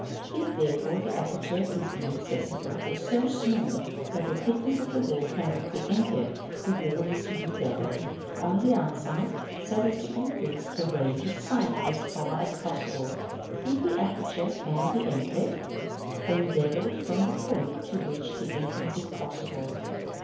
If, therefore, the aperture be inaccessible, or so small that the thickness of the wall cannot be entered, the wall is to be bevelled on the outside, so as to increase the range of sight as far as possible; if the aperture can be entered, then bevelled from the point to which entrance is possible.